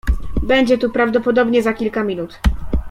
"Będzie tu prawdopodobnie za kilka minut."